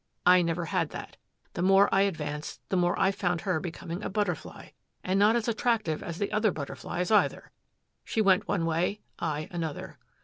I never had that. The more I advanced, the more I found her becoming a butterfly and not as attractive as the other butterflies either. She went one way I, another.